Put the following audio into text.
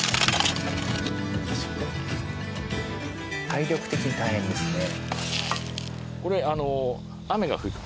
体力的に大変ですね。